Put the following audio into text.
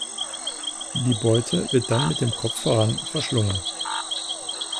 Die Beute wird dann mit dem Kopf voran verschlungen.